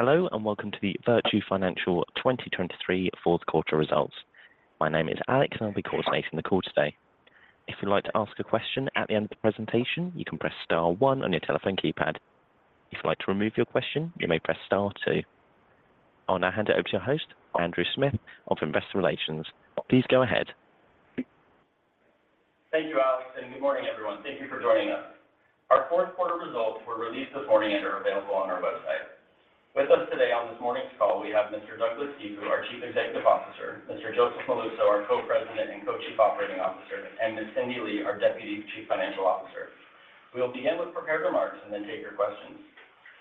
Hello, and welcome to the Virtu Financial 2023 Q4 Results. My name is Alex, and I'll be coordinating the call today. If you'd like to ask a question at the end of the presentation, you can press star one on your telephone keypad. If you'd like to remove your question, you may press star two. I'll now hand it over to your host, Andrew Smith, of Investor Relations. Please go ahead. Thank you, Alex, and good morning, everyone. Thank you for joining us. Our Q4 results were released this morning and are available on our website. With us today on this morning's call, we have Mr. Douglas Cifu, our Chief Executive Officer, Mr. Joseph Molluso, our Co-President and Co-Chief Operating Officer, and Ms. Cindy Lee, our Deputy Chief Financial Officer. We will begin with prepared remarks and then take your questions.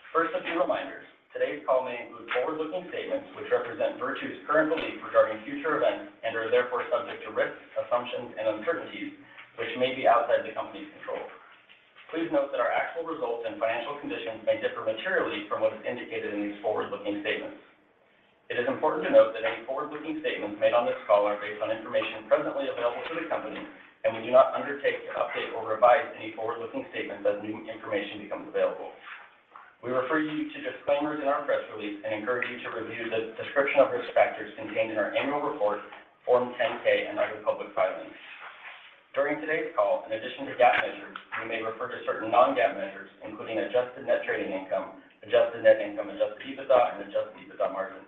First, a few reminders. Today's call may include forward-looking statements, which represent Virtu's current belief regarding future events and are therefore subject to risks, assumptions, and uncertainties, which may be outside the company's control. Please note that our actual results and financial conditions may differ materially from what is indicated in these forward-looking statements. It is important to note that any forward-looking statements made on this call are based on information presently available to the company, and we do not undertake to update or revise any forward-looking statements as new information becomes available. We refer you to disclaimers in our press release and encourage you to review the description of risk factors contained in our annual report, Form 10-K, and other public filings. During today's call, in addition to GAAP measures, we may refer to certain non-GAAP measures, including Adjusted Net Trading Income, adjusted net income, Adjusted EBITDA, and adjusted EBITDA margin.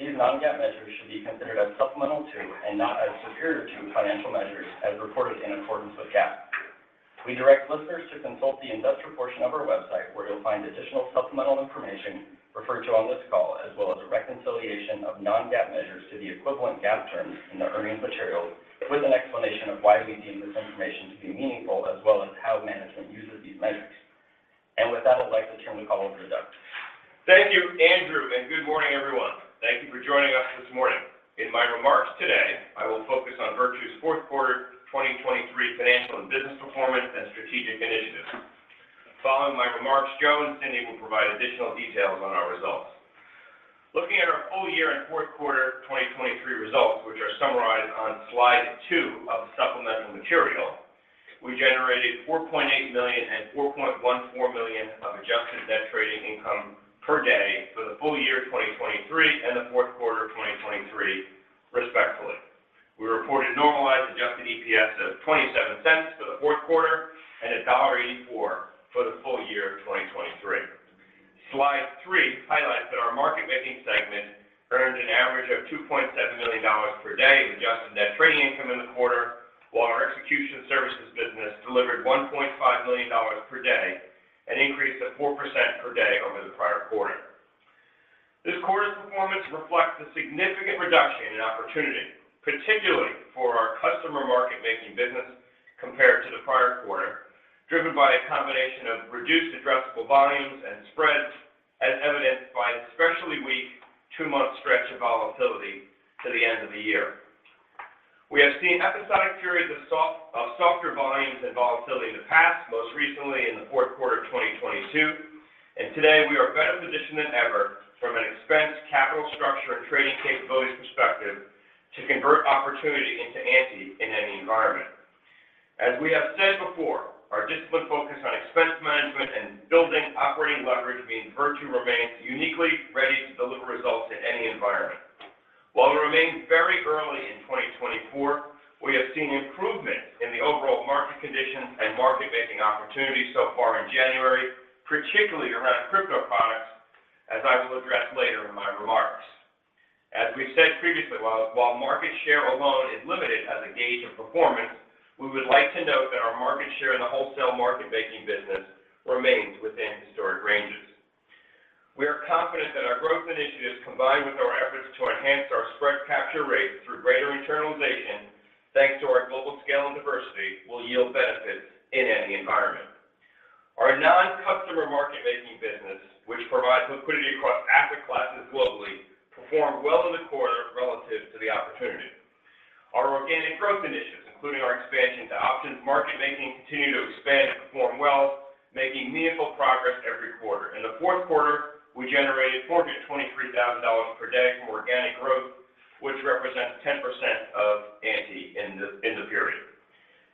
These non-GAAP measures should be considered as supplemental to, and not as superior to, financial measures as reported in accordance with GAAP. We direct listeners to consult the investor portion of our website, where you'll find additional supplemental information referred to on this call, as well as a reconciliation of non-GAAP measures to the equivalent GAAP terms in the earnings material, with an explanation of why we deem this information to be meaningful, as well as how management uses these metrics. With that, I'd like to turn the call over to Doug. Thank you, Andrew, and good morning, everyone. Thank you for joining us this morning. In my remarks today, I will focus on Virtu's Q4 2023 financial and business performance and strategic initiatives. Following my remarks, Joe and Cindy will provide additional details on our results. Looking at our full year and Q4 2023 results, which are summarized on slide 2 of the supplemental material, we generated $4.8 million and $4.14 million of adjusted net trading income per day for the full year of 2023 and the Q4 of 2023, respectively. We reported normalized adjusted EPS of $0.27 for the Q4 and $1.84 for the full year of 2023. Slide three highlights that our market-making segment earned an average of $2.7 million per day in adjusted net trading income in the quarter, while our execution services business delivered $1.5 million per day, an increase of 4% per day over the prior quarter. This quarter's performance reflects a significant reduction in opportunity, particularly for our customer market-making business compared to the prior quarter, driven by a combination of reduced addressable volumes As we have said before, our disciplined focus on expense management and building operating leverage means Virtu remains uniquely ready to deliver results in any environment. While it remains very early in 2024, we have seen improvement in the overall market conditions and market-making opportunities so far in January, particularly around crypto products, as I will address later in my remarks. As we've said previously, while market share alone is limited as a gauge of performance, we would like to note that our market share in the wholesale market-making business remains within historic ranges. We are confident that our growth initiatives, combined with our efforts to enhance our spread capture rate through greater internalization, thanks to our global scale and diversity, will yield benefits in any environment. Our non-customer market-making business, which provides liquidity across asset classes globally, performed well in the quarter relative to the opportunity. Our organic growth initiatives, including our expansion to options market-making, continue to expand and perform well, making meaningful progress every quarter. In the Q4, we generated $43,000 per day from organic growth, which represents 10% of ANTI in the period.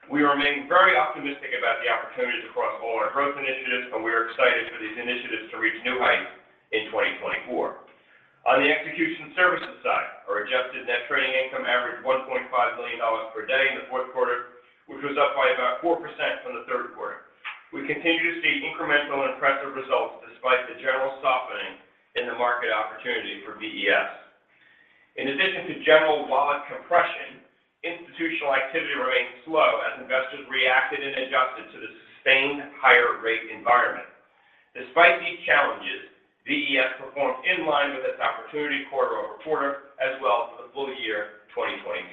We remain very optimistic about the opportunities across all our growth initiatives, and we are excited for these initiatives to reach new heights in 2024. On the execution services side, our adjusted net trading income averaged $1.5 million per day in the Q4, which was up by about 4% from the Q3. We continue to see incremental and impressive results despite the general softening in the market opportunity for VES. In addition to general wallet compression, institutional activity remained slow as investors reacted and adjusted to the sustained higher rate environment. Despite these challenges, VES performed in line with its opportunity quarter-over-quarter, as well as the full year, 2023.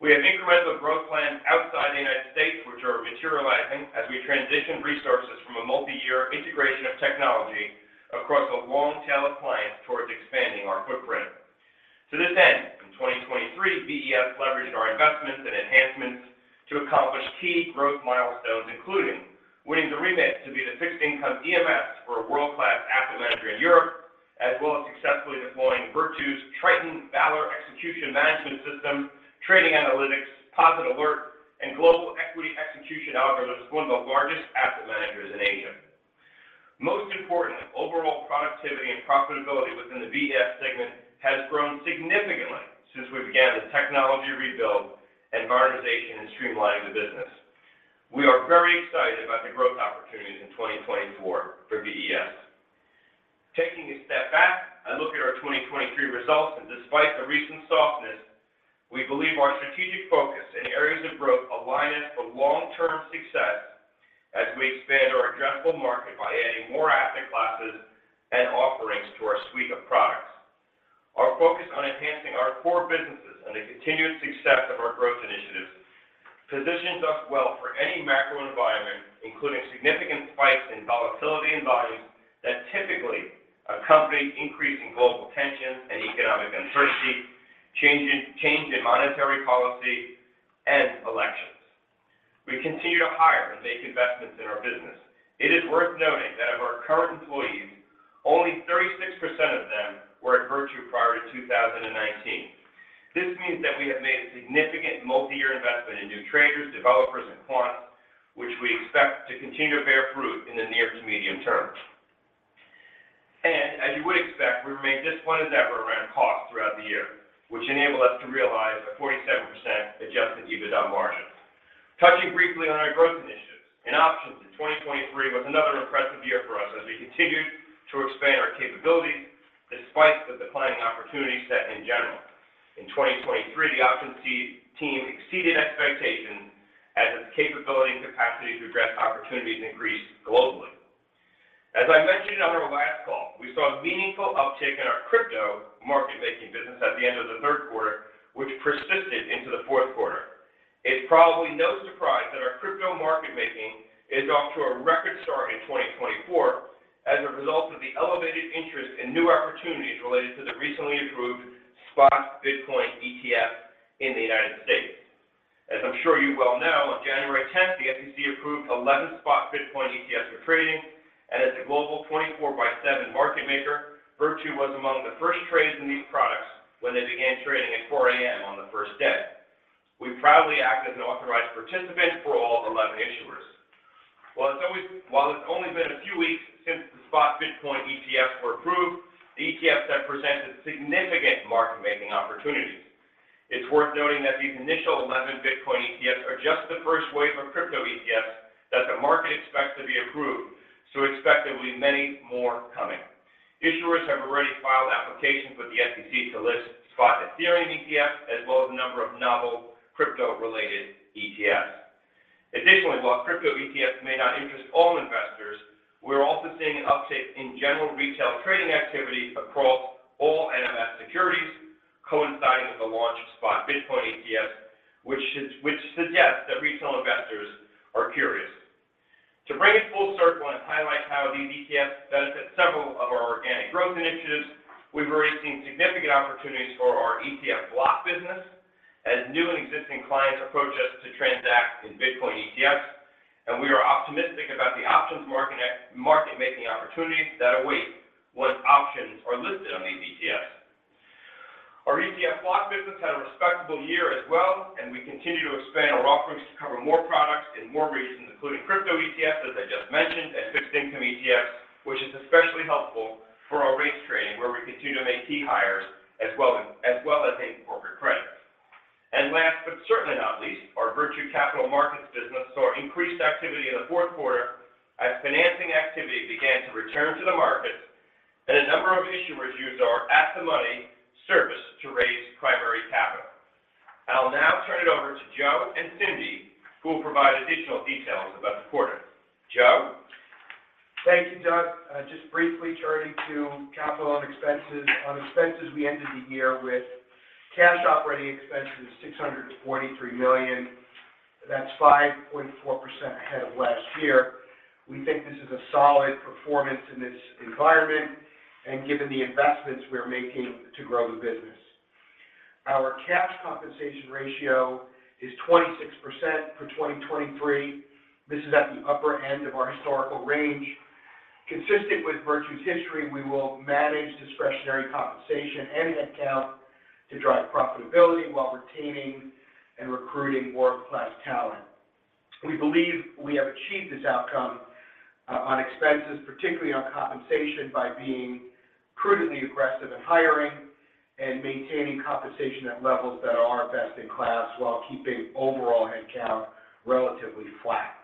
We have incremental growth plans outside the United States, which are materializing as we transition resources from a multi-year integration of technology across a long tail of clients towards expanding our footprint. To this end, in 2023, VES leveraged our investments and enhancements to accomplish key growth milestones, including winning the remit to be the fixed income EMS for a world-class asset manager in Europe, as well as successfully deploying Virtu's Triton Valor Execution Management System, trading analytics, POSIT Alert and global equity execution algorithms as one of the largest asset managers in Asia. Most important, overall productivity and profitability within the VES segment has grown significantly since we began the technology rebuild and modernization, and streamlining the business. We are very excited about the growth opportunities in 2024 for VES. Taking a step back, I look at our 2023 results, and despite the recent softness, we believe our strategic focus in areas of growth align us for long-term success as we expand our addressable market by adding more asset classes and offerings to our suite of products. Our focus on enhancing our core businesses and the continued success of our growth initiatives positions us well for any macro environment, including significant spikes in volatility and volumes that typically accompany increasing global tensions and economic uncertainty, change in monetary policy, and elections. We continue to hire and make investments in our business. It is worth noting that of our current employees, only 36% of them were at Virtu prior to 2019. This means that we have made a significant multi-year investment in new traders, developers, and quants, which we expect to continue to bear fruit in the near to medium term. And as you would expect, we remained disciplined as ever around costs throughout the year, which enabled us to realize a 47% adjusted EBITDA margin. Touching briefly on our growth initiatives. In options, 2023 was another impressive year for us as we continued to expand our capabilities despite the declining opportunity set in general. In 2023, the options team exceeded expectations as its capability and capacity to address opportunities increased globally. As I mentioned on our last call, we saw a meaningful uptick in our crypto market-making business at the end of the Q3, which persisted into the Q4. It's probably no surprise that our crypto market making is off to a record start in 2024 as a result of the elevated interest in new opportunities related to the recently approved Spot Bitcoin ETF in the United States. As I'm sure you well know, on January tenth, the SEC approved 11 Spot Bitcoin ETFs for trading, and as a global 24/7 market maker, Virtu was among the first trades in these products when they began trading at 4:00 A.M. on the first day. We proudly act as an authorized participant for all 11 issuers. While it's only been a few weeks since the Spot Bitcoin ETFs were approved, the ETFs have presented significant market-making opportunities. It's worth noting that these initial 11 Bitcoin ETFs are just the first wave of crypto ETFs that the market expects to be approved, so expect there will be many more coming. Issuers have already filed applications with the SEC to list Spot Ethereum ETFs, as well as a number of novel crypto-related ETFs. Additionally, while crypto ETFs may not interest all investors, we're also seeing an uptick in general retail trading activity across all NMS securities, coinciding with the launch of Spot Bitcoin ETFs, which suggests that retail investors are curious. To bring it full circle and highlight how these ETFs benefit several of our organic growth initiatives, we've already seen significant opportunities for our ETF block business as new and existing clients approach us to transact in Bitcoin ETFs, and we are optimistic about the options market-making opportunities that await once options are listed on these ETFs. Our ETF block business had a respectable year as well, and we continue to expand our offerings to cover more products in more regions, including crypto ETFs, as I just mentioned, and fixed income ETFs, which is especially helpful for our rates trading, where we continue to make key hires as well as in corporate credit. And last, but certainly not least, our Virtu Capital Markets business saw increased activity in the Q4 as financing activity began to return to the market, and a number of issuers used our At-The-Money service to raise primary capital. I'll now turn it over to Joe and Cindy, who will provide additional details about the quarter. Joe? Thank you, Doug. Just briefly turning to capital and expenses. On expenses, we ended the year with cash operating expenses, $643 million. That's 5.4% ahead of last year. We think this is a solid performance in this environment and given the investments we are making to grow the business. Our cash compensation ratio is 26% for 2023. This is at the upper end of our historical range. Consistent with Virtu's history, we will manage discretionary compensation and headcount to drive profitability while retaining and recruiting world-class talent. We believe we have achieved this outcome, on expenses, particularly on compensation, by being prudently aggressive in hiring and maintaining compensation at levels that are best in class, while keeping overall headcount relatively flat.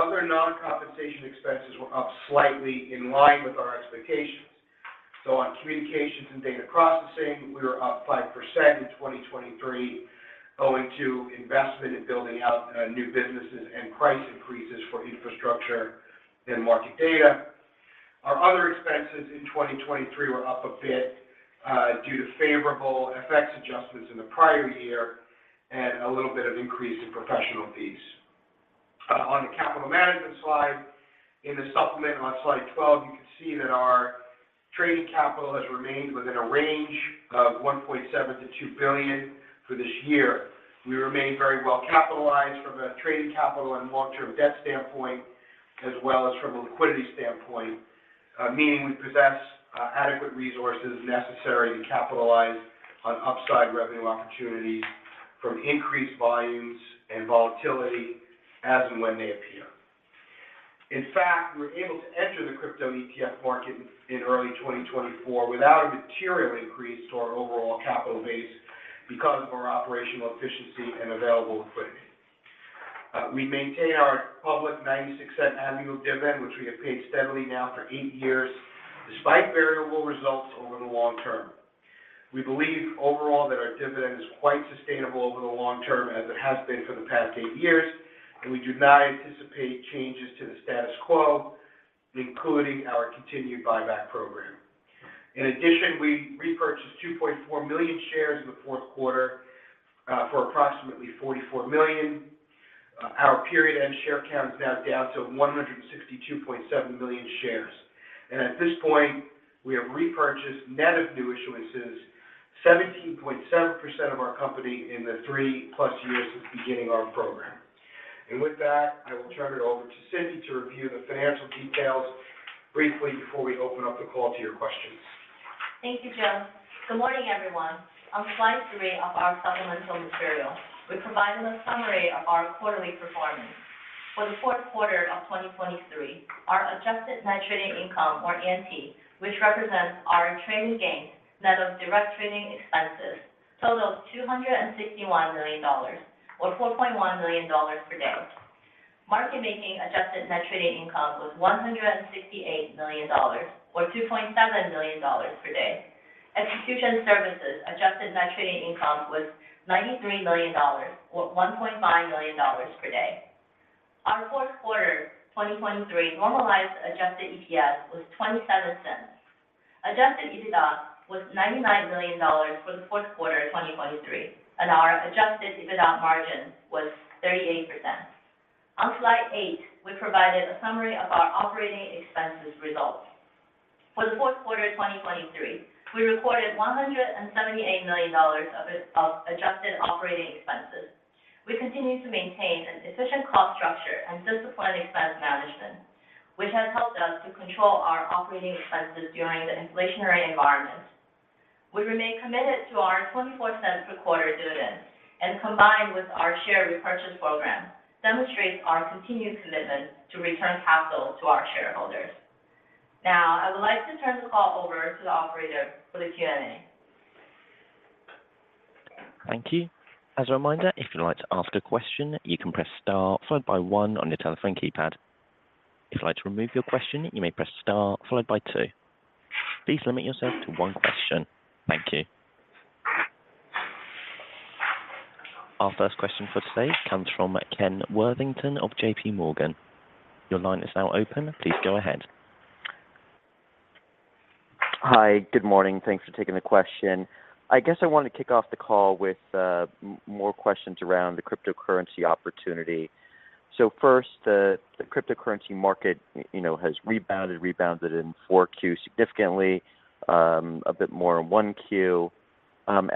Other non-compensation expenses were up slightly in line with our expectations. On communications and data processing, we were up 5% in 2023, owing to investment in building out new businesses and price increases for infrastructure and market data. Our other expenses in 2023 were up a bit due to favorable FX adjustments in the prior year and a little bit of increase in professional fees. On the capital management slide, in the supplement on slide 12, you can see that our trading capital has remained within a range of $1.7 billion-$2 billion for this year. We remain very well capitalized from a trading capital and long-term debt standpoint as well as from a liquidity standpoint, meaning we possess adequate resources necessary to capitalize on upside revenue opportunities from increased volumes and volatility as and when they appear. In fact, we're able to enter the crypto ETF market in early 2024 without a material increase to our overall capital base because of our operational efficiency and available liquidity. We maintain our public $0.96 annual dividend, which we have paid steadily now for eight years, despite variable results over the long term. We believe overall that our dividend is quite sustainable over the long term, as it has been for the past eight years, and we do not anticipate changes to the status quo, including our continued buyback program. In addition, we repurchased 2.4 million shares in the Q4, for approximately $44 million. Our period-end share count is now down to 162.7 million shares. And at this point, we have repurchased, net of new issuances, 17.7% of our company in the 3+ years since beginning our program. And with that, I will turn it over to Cindy to review the financial details briefly before we open up the call to your questions. Thank you, Joe. Good morning, everyone. On slide 3 of our supplemental material, we provided a summary of our quarterly performance. For the Q4 of 2023, our adjusted net trading income, or ANT, which represents our trading gains, net of direct trading expenses, totaled $261 million, or $4.1 million per day. Market making adjusted net trading income was $168 million, or $2.7 million per day. Execution services adjusted net trading income was $93 million, or $1.5 million per day. Our Q4, 2023, normalized adjusted EPS was $0.27. Adjusted EBITDA was $99 million for the Q4 of 2023, and our adjusted EBITDA margin was 38%. On slide 8, we provided a summary of our operating expenses results. For the Q4 of 2023, we recorded $178 million of adjusted operating expenses. We continue to maintain an efficient cost structure and disciplined expense management, which has helped us to control our operating expenses during the inflationary environment. We remain committed to our $0.24 per quarter dividend, and combined with our share repurchase program, demonstrates our continued commitment to return capital to our shareholders. Now, I would like to turn the call over to the operator for the Q&A. Thank you. As a reminder, if you'd like to ask a question, you can press star followed by one on your telephone keypad. If you'd like to remove your question, you may press star followed by two. Please limit yourself to one question. Thank you. Our first question for today comes from Ken Worthington of JPMorgan. Your line is now open. Please go ahead. Hi, good morning. Thanks for taking the question. I guess I want to kick off the call with more questions around the cryptocurrency opportunity. So first, the cryptocurrency market, you know, has rebounded in Q4 significantly, a bit more in Q1.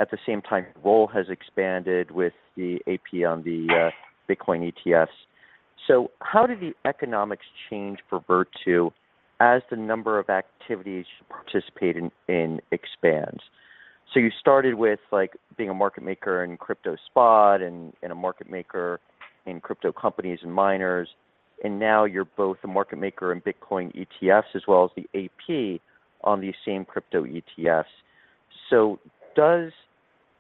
At the same time, role has expanded with the AP on the Bitcoin ETFs. So how did the economics change for Virtu as the number of activities you participate in expands? So you started with, like, being a market maker in crypto spot and a market maker in crypto companies and miners, and now you're both a market maker in Bitcoin ETFs as well as the AP on these same crypto ETFs. So does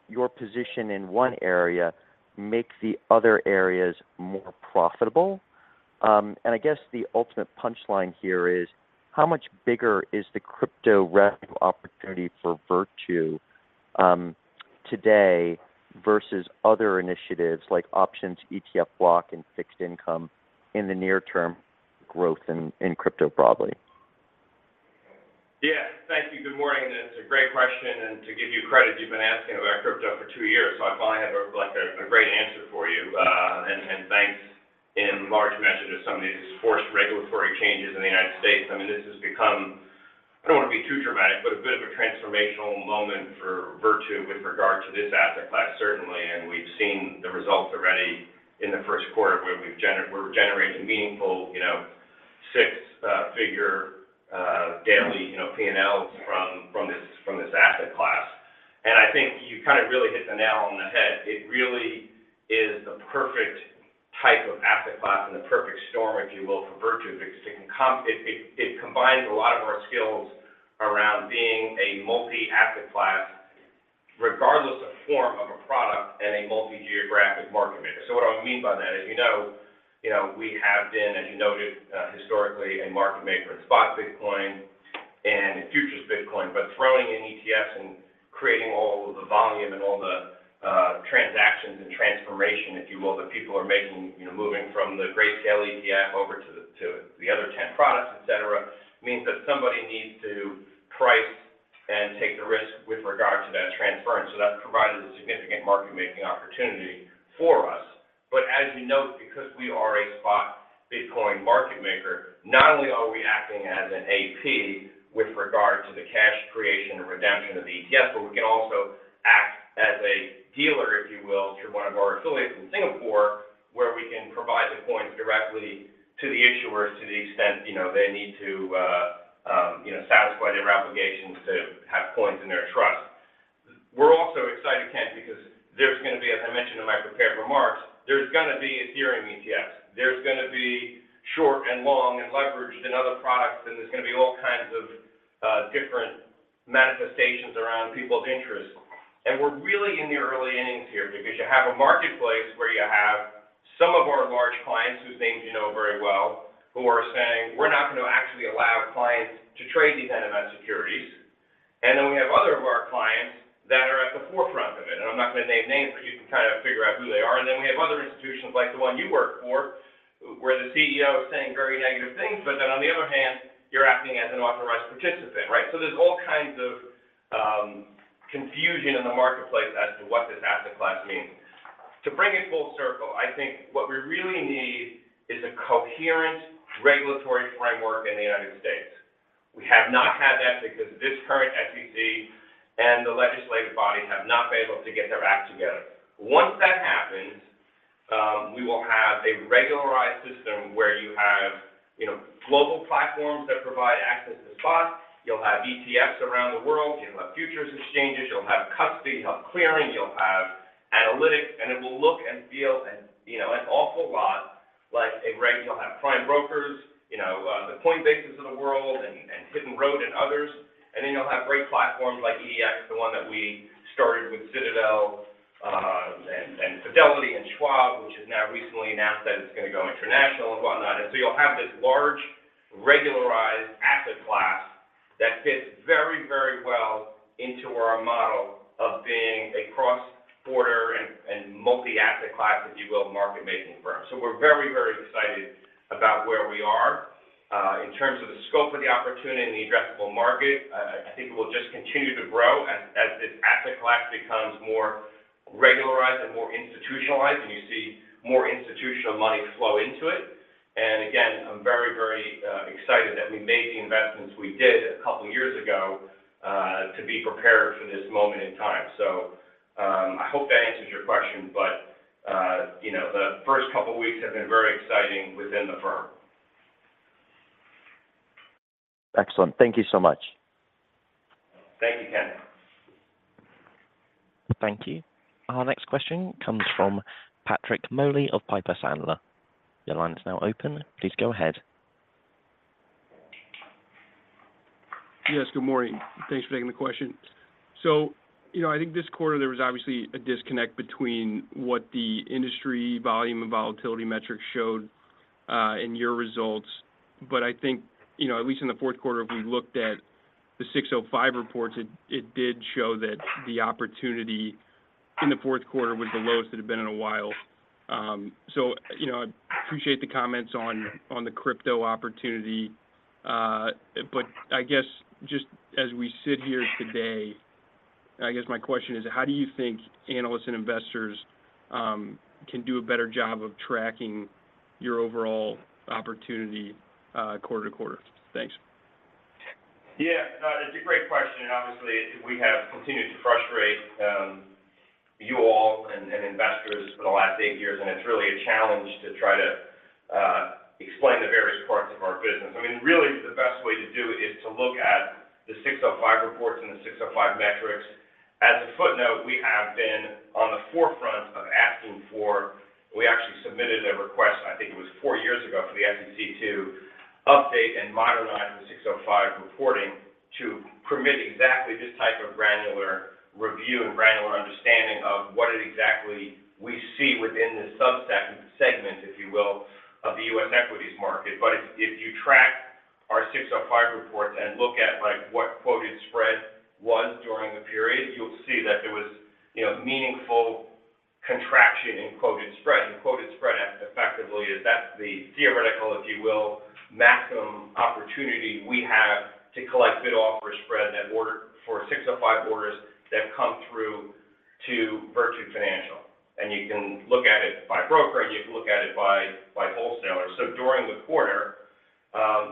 your position in one area make the other areas more profitable? And I guess the ultimate punchline here is, how much bigger is the crypto revenue opportunity for Virtu today versus other initiatives like options, ETF, block, and fixed income in the near term growth in crypto, probably? Yeah. Thank you. Good morning. That's a great question, and to give you credit, you've been asking about crypto for two years, so I finally have a, like, a great answer for you, and thanks in large measure to some of these forced regulatory changes in the United States. I mean, this has become- I don't want to be too dramatic, but a bit of a transformational moment for Virtu with regard to this asset class, certainly, and we've seen the results already in the Q1, where we're generating meaningful, you know, six-figure daily, you know, PNLs from this asset class. And I think you kind of really hit the nail on the head. It really is the perfect type of asset class and the perfect storm, if you will, for Virtu, because it combines a lot of our skills around being a multi-asset class, regardless of form of a product and a multi-geographic market maker. So what I mean by that is, you know, you know, we have been, as you noted, historically, a market maker in spot Bitcoin and futures Bitcoin, but throwing in ETFs and creating all of the volume and all the transactions and transformation, if you will, that people are making, you know, moving from the Grayscale ETF over to the, to the other 10 products, et cetera, means that somebody needs to price and take the risk with regard to that transference. So that provided a significant market-making opportunity for us. But as you note, because we are a spot Bitcoin market maker, not only are we acting as an AP with regard to the cash creation and redemption of the ETF, but we can also act as a dealer, if you will, through one of our affiliates in Singapore, where we can provide the Bitcoins directly to the issuers, to the extent, you know, they need to, you know, satisfy their obligations to have Bitcoins in their trust. We're also excited, Ken, because there's gonna be, as I mentioned in my prepared remarks, there's gonna be Ethereum ETFs. There's gonna be short and long, and leveraged, and other products, and there's gonna be all kinds of different manifestations around people of interest. And we're really in the early innings here, because you have a marketplace where you have some of our large clients whose names you know very well, who are saying, we're not going to actually allow clients to trade these ETF securities. And then we have other of our clients that are at the forefront of it, and I'm not gonna name names, but you can kind of figure out who they are. And then we have other institutions, like the one you work for, where the CEO is saying very negative things, but then on the other hand, you're acting as an authorized participant, right? So there's all kinds of confusion in the marketplace as to what this asset class means. To bring it full circle, I think what we really need is a coherent regulatory framework in the United States. We have not had that because this current SEC and the legislative bodies have not been able to get their act together. Once that happens, we will have a regularized system where you have, you know, global platforms that provide access to spots, you'll have ETFs around the world, you'll have futures exchanges, you'll have custody, you'll have clearing, you'll have analytics, and it will look and feel and, you know, an awful lot like a regularized system. You'll have prime brokers, you know, Coinbase of the world, and Hidden Road and others. And then you'll have great platforms like EDX Markets, the one that we started with Citadel, and Fidelity and Schwab, which has now recently announced that it's gonna go international and whatnot. And so you'll have this large, regularized asset class that fits very, very well into our model of being a cross-border and, and multi-asset class, if you will, market-making firm. So we're very, very excited about where we are. In terms of the scope of the opportunity and the addressable market, I, I think it will just continue to grow as, as this asset class becomes more regularized and more institutionalized, and you see more institutional money flow into it. And again, I'm very, very excited that we made the investments we did a couple of years ago, to be prepared for this moment in time. So, I hope that answers your question, but, you know, the first couple of weeks have been very exciting within the firm. Excellent. Thank you so much. Thank you, Ken. Thank you. Our next question comes from Patrick Moley of Piper Sandler. Your line is now open. Please go ahead. Yes, good morning. Thanks for taking the question. So, you know, I think this quarter there was obviously a disconnect between what the industry volume and volatility metrics showed in your results. But I think, you know, at least in the Q4, if we looked at the 605 reports, it did show that the opportunity in the Q4 was the lowest it had been in a while. So, you know, I appreciate the comments on the crypto opportunity. But I guess just as we sit here today, I guess my question is: How do you think analysts and investors can do a better job of tracking your overall opportunity quarter-to-quarter? Thanks. Yeah, it's a great question, and obviously, we have continued to frustrate you all and investors for the last eight years, and it's really a challenge to try to explain the various parts of our business. I mean, really, the best way to do it is to look at the 605 reports and the 605 metrics. As a footnote, we have been on the forefront of asking for- we actually submitted a request, I think it was four years ago, for the SEC to update and modernize the 605 reporting to permit exactly this type of granular review and granular understanding of what it exactly we see within this subset segment, if you will, of the U.S. equities market. But if you track our 605 reports and look at, like, what quoted spread was during the period, you'll see that there was, you know, meaningful contraction in quoted spread. And quoted spread, effectively, is that's the theoretical, if you will, maximum opportunity we have to collect bid-offer spread net order for 605 orders that come through to Virtu Financial. And you can look at it by broker, and you can look at it by wholesaler. So during the quarter,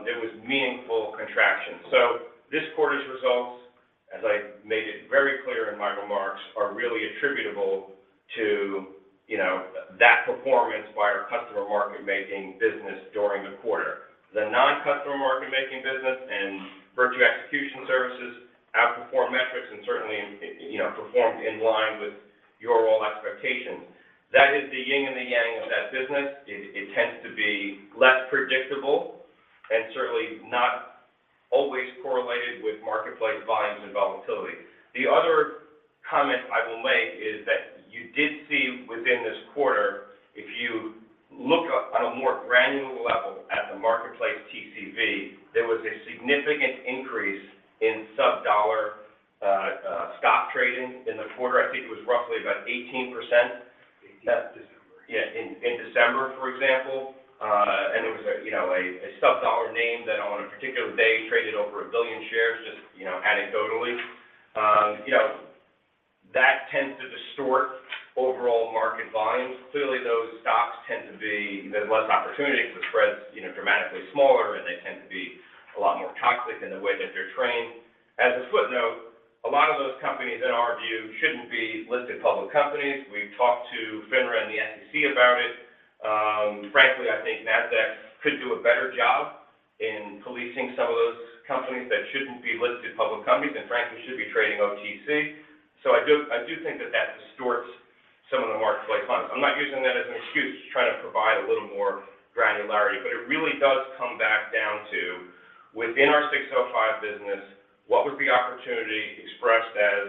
it was meaningful contraction. So this quarter's results, as I made it very clear in my remarks, are really attributable to, you know, that performance by our customer market-making business during the quarter. The non-customer market-making business and Virtu Execution Services outperforming metrics and certainly, you know, performed in line with your role expectations. That is the yin and the yang of that business. It tends to be less predictable and certainly not always correlated with marketplace volumes and volatility. The other comment I will make is that you did see within this quarter, if you look at a more granular level at the marketplace, TCV, there was a significant increase in sub-dollar stock trading in the quarter. I think it was roughly about 18%- 18% in December. Yeah, in December, for example, and it was, you know, a sub-dollar name that on a particular day, traded over a billion shares, just, you know, anecdotally. You know, that tends to distort overall market volumes. Clearly, those stocks tend to be, there's less opportunity for the spreads, you know, dramatically smaller, and they tend to be a lot more toxic in the way that they're traded. As a footnote, a lot of those companies, in our view, shouldn't be listed public companies. We've talked to FINRA and the SEC about it. Frankly, I think Nasdaq could do a better job in policing some of those companies that shouldn't be listed public companies, and frankly, should be trading OTC. So I do, I do think that that distorts some of the marketplace funds. I'm not using that as an excuse to try to provide a little more granularity, but it really does come back down to, within our 605 business, what was the opportunity expressed as,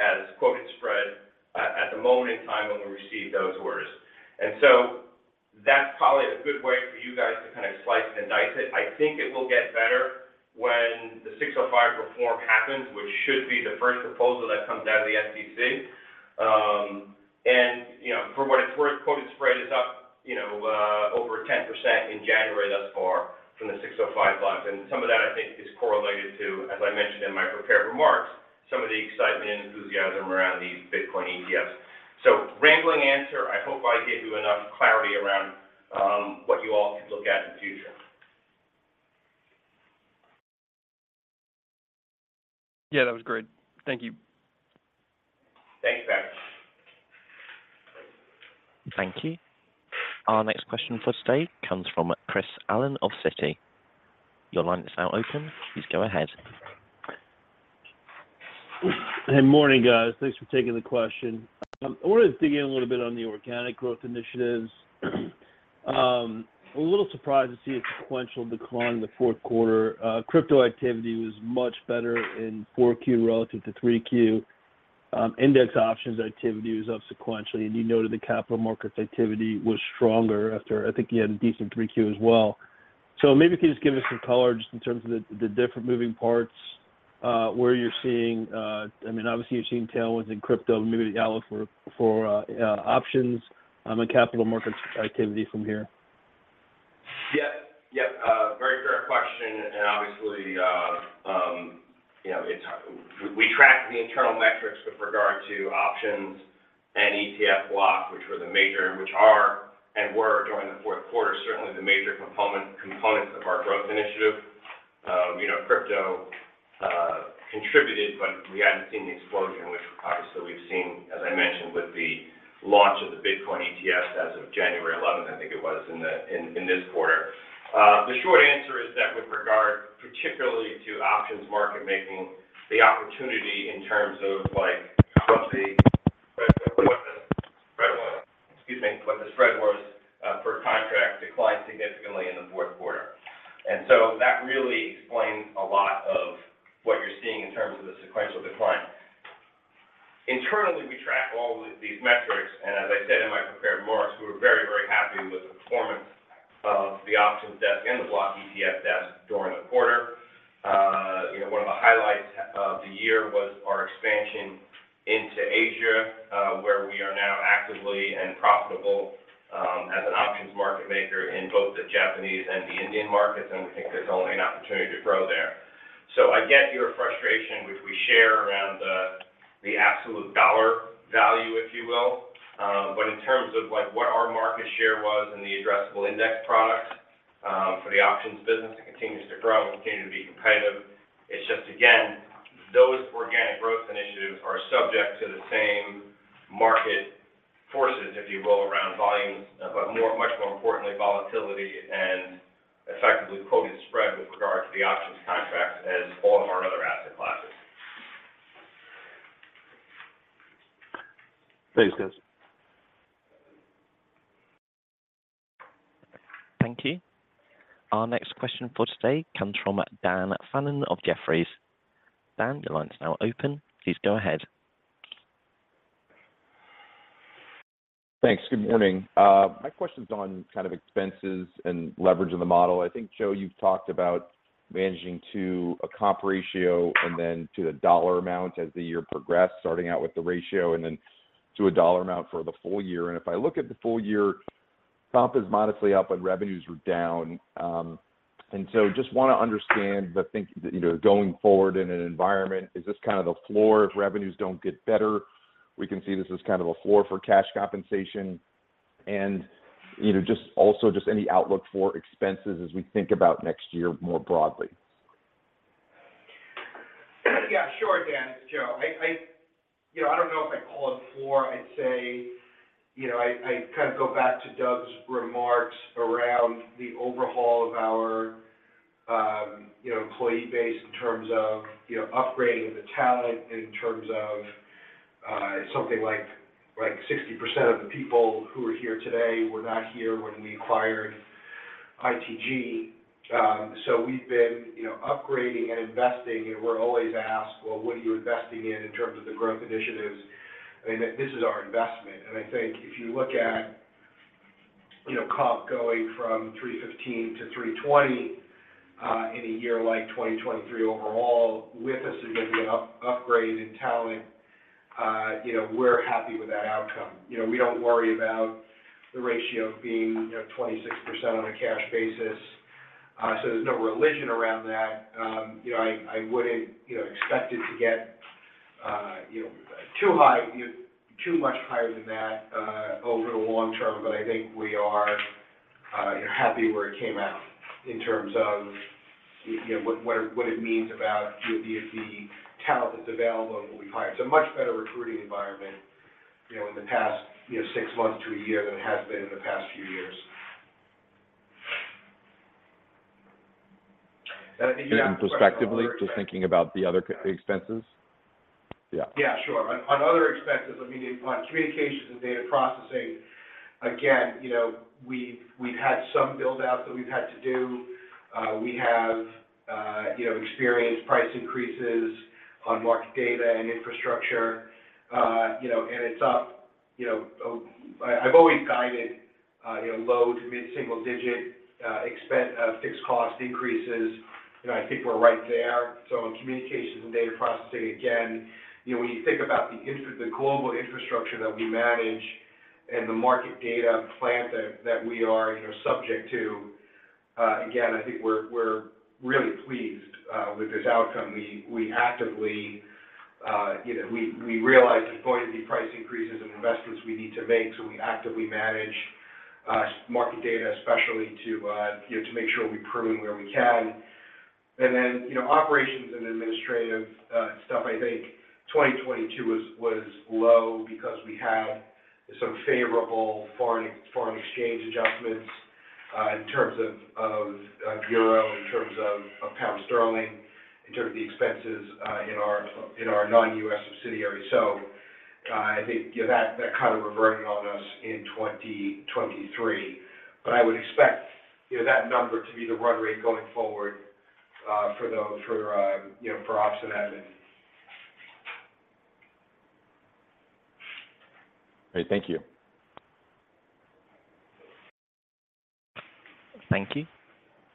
as quoted spread, at the moment in time when we received those orders? And so that's probably a good way for you guys to kind of slice and dice it. I think it will get better when the Rule 605 reform happens, which should be the first proposal that comes out of the SEC. And, you know, for what it's worth, quoted spread is up, you know, over 10% in January thus far from the Rule 605 bugs. And some of that, I think, is correlated to, as I mentioned in my prepared remarks, some of the excitement and enthusiasm around these Bitcoin ETFs. So rambling answer, I hope I gave you enough clarity around, what you all can look at in the future. Yeah, that was great. Thank you. Thanks, Patrick. Thank you. Our next question for today comes from Chris Allen of Citi. Your line is now open, please go ahead. Hey, morning, guys. Thanks for taking the question. I wanted to dig in a little bit on the organic growth initiatives. A little surprised to see a sequential decline in the Q4. Crypto activity was much better in Q4 relative to Q3. Index options activity was up sequentially, and you noted the capital markets activity was stronger after, I think you had a decent Q3 as well. So maybe if you just give us some color just in terms of the different moving parts, where you're seeing, I mean, obviously, you're seeing tailwinds in crypto and maybe outlook for options and capital markets activity from here. Yeah, very fair question, and obviously, you know, it's, we tracked the internal metrics with regard to options and ETF block, which were the major, which are and were during the Q4, certainly the major component, components of our growth initiative. You know, crypto contributed, but we hadn't seen the explosion, which obviously we've seen, as I mentioned, with the launch of the Bitcoin ETF as of January eleventh, I think it was, in this quarter. The short answer is that with regard particularly to options market making, the opportunity in terms of, like, how the, excuse me, what the spread was, per contract, declined significantly in the Q4. And so that really explains a lot of what you're seeing in terms of the sequential decline. Internally, we track all these metrics, and as I said in my prepared remarks, we're very, very happy with the performance of the options desk and the block ETF desk during the quarter. You know, one of the highlights of the year was our expansion into Asia, where we are now actively and profitable as an options market maker in both the Japanese and the Indian markets, and we think there's only an opportunity to grow there. So I get your frustration, which we share around the absolute dollar value, if you will. But in terms of, like, what our market share was in the addressable index products for the options business, it continues to grow, it continues to be competitive. It's just, again, those organic growth initiatives are subject to the same market forces, if you will, around volumes, but more, much more importantly, volatility and effectively quoting spread with regard to the options contracts as all of our other asset classes. Thanks, guys. Thank you. Our next question for today comes from Dan Fannon of Jefferies. Dan, the line is now open. Please go ahead. Thanks. Good morning. My question's on kind of expenses and leverage in the model. I think, Joe, you've talked about managing to a comp ratio and then to the dollar amount as the year progressed, starting out with the ratio and then to a dollar amount for the full year. And if I look at the full year, comp is modestly up, but revenues were down. And so just wanna understand, I think, you know, going forward in an environment, is this kind of the floor if revenues don't get better? We can see this as kind of a floor for cash compensation and, you know, just also just any outlook for expenses as we think about next year more broadly. Yeah, sure, Dan. It's Joe. I, you know, I don't know if I'd call it floor. I'd say, you know, I kind of go back to Doug's remarks around the overhaul of our, you know, employee base in terms of, you know, upgrading the talent, in terms of, something like 60% of the people who are here today were not here when we acquired ITG. So we've been, you know, upgrading and investing, and we're always asked: "Well, what are you investing in, in terms of the growth initiatives?" I mean, this is our investment, and I think if you look at, you know, comp going from $315 to $320, in a year like 2023 overall, with a significant upgrade in talent, you know, we're happy with that outcome. You know, we don't worry about the ratio being, you know, 26% on a cash basis. So there's no religion around that. You know, I, I wouldn't, you know, expect it to get, you know, too high, too much higher than that, over the long term. But I think we are happy where it came out in terms of, you know, what it means about the talent that's available and what we find. It's a much better recruiting environment, you know, in the past, you know, six months to a year than it has been in the past few years. And I think- Prospectively, just thinking about the other expenses? Yeah. Yeah, sure. On other expenses, I mean, on communications and data processing, again, you know, we've had some buildouts that we've had to do. We have, you know, experienced price increases on market data and infrastructure. You know, and it's up, you know, I've always guided, you know, low- to mid-single-digit expense fixed-cost increases, and I think we're right there. So in communications and data processing, again, you know, when you think about the global infrastructure that we manage and the market data plant that we are, you know, subject to, again, I think we're really pleased with this outcome. We actively, you know, we realize there's going to be price increases and investments we need to make, so we actively manage market data, especially to, you know, to make sure we prune where we can. And then, you know, operations and administrative stuff, I think 2022 was low because we had some favorable foreign exchange adjustments in terms of euro, in terms of pound sterling, in terms of the expenses in our non-U.S. subsidiaries. So, I think, you know, that kind of reverting on us in 2023. But I would expect, you know, that number to be the run rate going forward for those, you know, for ops and admin. Great. Thank you. Thank you.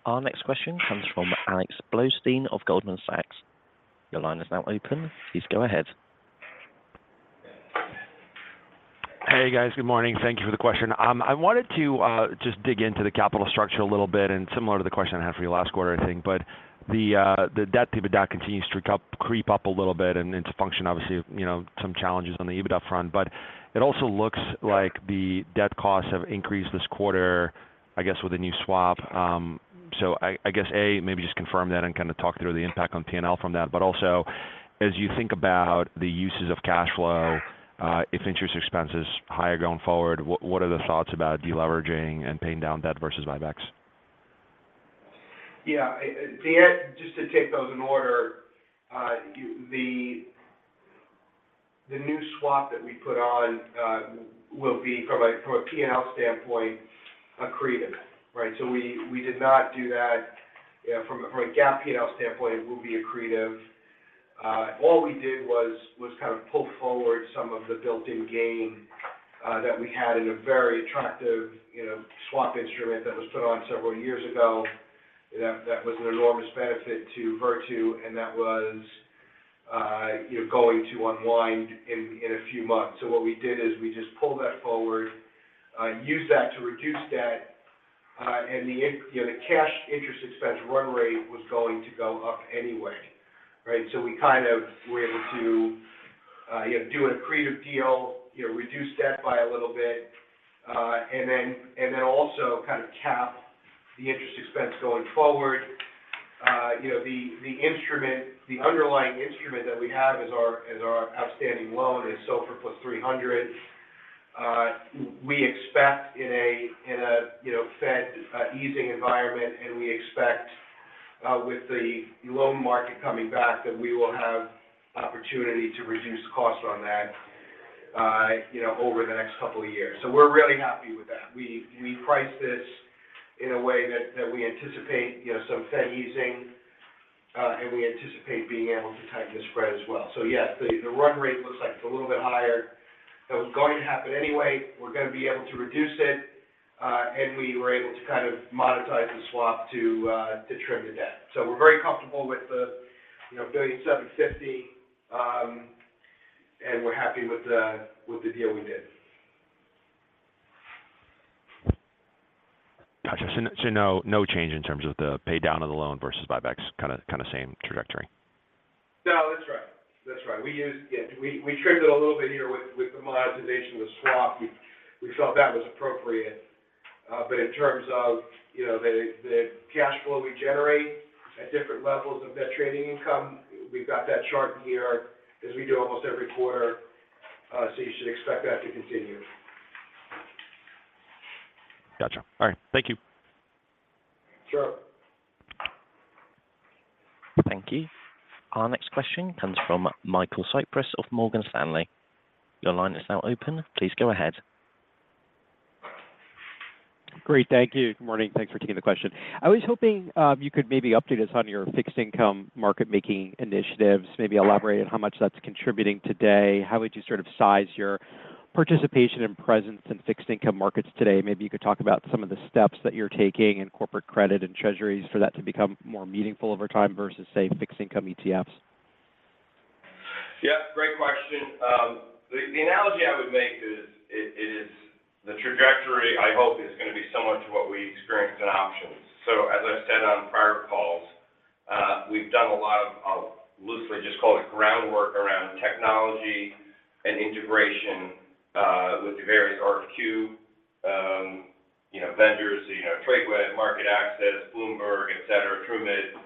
Our next question comes from Alex Blostein of Goldman Sachs. Your line is now open. Please go ahead. Hey, guys. Good morning. Thank you for the question. I wanted to just dig into the capital structure a little bit, and similar to the question I had for you last quarter, I think. But the debt to EBITDA continues to creep up a little bit, and it's a function, obviously, you know, some challenges on the EBITDA front. But it also looks like the debt costs have increased this quarter, I guess, with a new swap. So I guess, A, maybe just confirm that and kind of talk through the impact on P&L from that. But also, as you think about the uses of cash flow, if interest expense is higher going forward, what are the thoughts about deleveraging and paying down debt versus buybacks? Yeah, just to take those in order, you, the new swap that we put on will be from a P&L standpoint accretive, right? So we did not do that from a GAAP P&L standpoint. It will be accretive. All we did was kind of pull forward some of the built-in gain that we had in a very attractive, you know, swap instrument that was put on several years ago, that was an enormous benefit to Virtu, and that was, you know, going to unwind in a few months. So what we did is we just pulled that forward, used that to reduce debt, and you know, the cash interest expense run rate was going to go up anyway, right? So we kind of were able to, you know, do an accretive deal, you know, reduce debt by a little bit, and then also kind of cap the interest expense going forward. You know, the instrument, the underlying instrument that we have as our outstanding loan is SOFR +300. We expect in a, you know, Fed easing environment, and we expect with the loan market coming back, that we will have opportunity to reduce costs on that, you know, over the next couple of years. So we're really happy with that. We price this in a way that we anticipate, you know, some Fed easing, and we anticipate being able to tighten the spread as well. So yes, the run rate looks like it's a little bit higher. That was going to happen anyway. We're going to be able to reduce it, and we were able to kind of monetize the swap to, to trim the debt. So we're very comfortable with the, you know, $1.75 billion, and we're happy with the, with the deal we did. Gotcha. So no change in terms of the paydown of the loan versus buybacks, kind of, kind of same trajectory? No, that's right. That's right. We used- yeah, we, we trimmed it a little bit here with, with the monetization of the swap. We, we felt that was appropriate. But in terms of, you know, the, the cash flow we generate at different levels of net trading income, we've got that chart here, as we do almost every quarter, so you should expect that to continue. Gotcha. All right. Thank you. Sure. Thank you. Our next question comes from Michael Cyprys of Morgan Stanley. Your line is now open. Please go ahead. Great, thank you. Good morning. Thanks for taking the question. I was hoping you could maybe update us on your fixed income market making initiatives, maybe elaborate on how much that's contributing today. How would you sort of size your participation and presence in fixed income markets today? Maybe you could talk about some of the steps that you're taking in corporate credit and treasuries for that to become more meaningful over time versus, say, fixed income ETFs? Yeah, great question. The analogy I would make is the trajectory, I hope, is going to be similar to what we experienced in options. So as I've said on prior calls, we've done a lot of, I'll loosely just call it groundwork around technology and integration with the various RFQ vendors. You know, Tradeweb, MarketAxess, Bloomberg, et cetera, Trumid.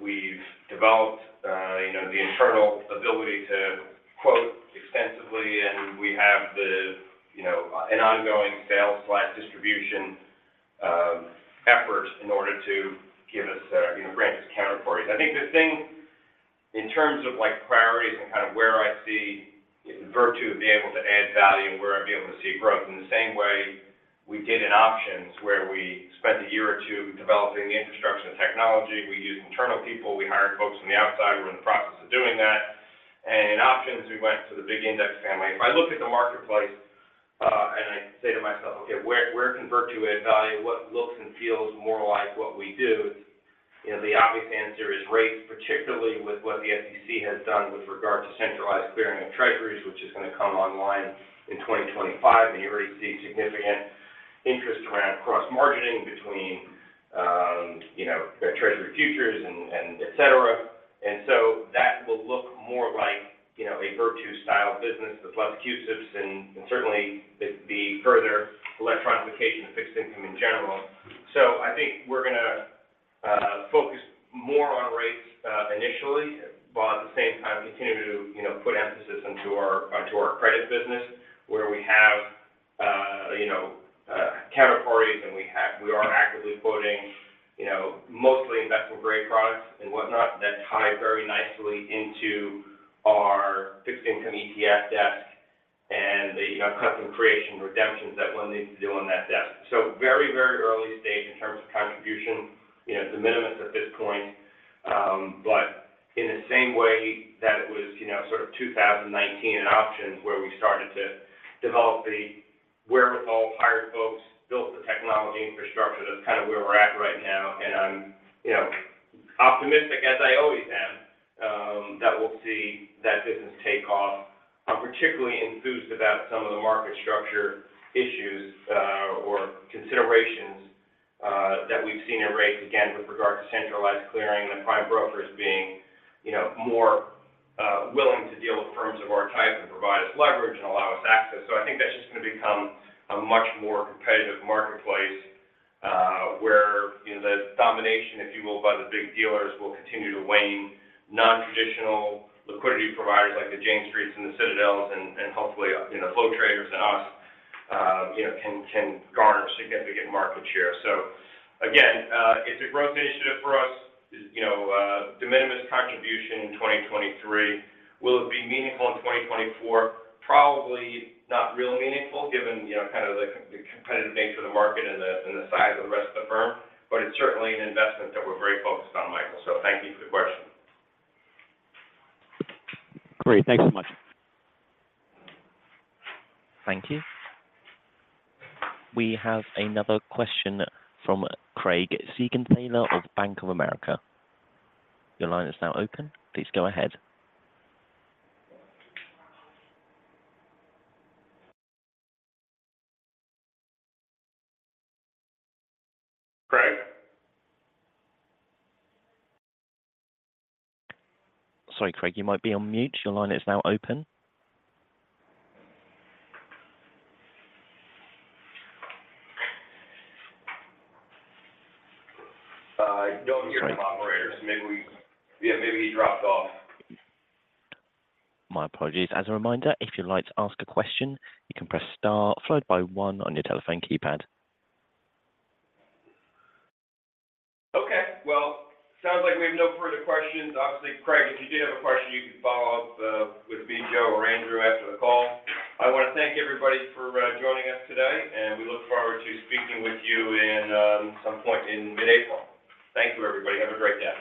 We've developed the internal ability to quote extensively, and we have you know, an ongoing sales/distribution effort in order to give us grant us categories. I think the thing in terms of, like, priorities and kind of where I see Virtu being able to add value and where I be able to see growth, in the same way we did in options, where we spent a year or two developing the infrastructure and technology. We used internal people, we hired folks from the outside. We're in the process of doing that. And in options, we went to the big index family. If I look at the marketplace, and I say to myself, "Okay, where, where can Virtu add value? What looks and feels more like what we do?" You know, the obvious answer is rates, particularly with what the SEC has done with regard to centralized clearing of treasuries, which is going to come online in 2025, and you already see significant interest around cross-margining between, you know, treasury futures and et cetera. And so that will look more like, you know, a Virtu-style business with less CUSIPs and certainly the further electronification of fixed income in general. So I think we're gonna focus more on rates initially, but at the same time, continue to, you know, put emphasis into our credit business, where we have, you know, categories and we have- we are actively quoting, you know, mostly investment-grade products and whatnot that tie very nicely into our fixed income ETF desk and the, you know, custom creation redemptions that one needs to do on that desk. So very, very early stage in terms of contribution, you know, de minimis at this point. But in the same way that it was, you know, sort of 2019 in options, where we started to develop the wherewithal, hired folks, built the technology infrastructure, that's kind of where we're at right now. And I'm, you know, optimistic, as I always am, that we'll see that business take off. I'm particularly enthused about some of the market structure issues, or considerations, that we've seen in rates, again, with regard to centralized clearing and prime brokers being, you know, more willing to deal with firms of our type and provide us leverage and allow us access. So I think that's just going to become a much more competitive marketplace, where, you know, the domination, if you will, by the big dealers will continue to wane. Nontraditional liquidity providers, like Jane Street and Citadel Securities, and hopefully, you know, Flow Traders and us, you know, can garner significant market share. So again, it's a growth initiative for us. You know, de minimis contribution in 2023. Will it be meaningful in 2024? Probably not real meaningful, given, you know, kind of the competitive nature of the market and the size of the rest of the firm, but it's certainly an investment that we're very focused on, Michael. So thank you for the question. Great. Thanks so much. Thank you. We have another question from Craig Siegenthaler of Bank of America. Your line is now open. Please go ahead. Craig? Sorry, Craig, you might be on mute. Your line is now open. Don't hear from operators. Maybe we- yeah, maybe he dropped off. My apologies. As a reminder, if you'd like to ask a question, you can press star followed by one on your telephone keypad. Okay, well, sounds like we have no further questions. Obviously, Craig, if you do have a question, you can follow up with me, Joe, or Andrew after the call. I want to thank everybody for joining us today, and we look forward to speaking with you in some point in mid-April. Thank you, everybody. Have a great day.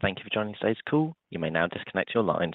Thank you for joining today's call. You may now disconnect your lines.